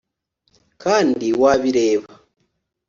kandi wabireba